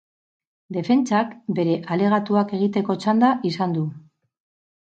Defentsak bere alegatuak egiteko txanda izan du.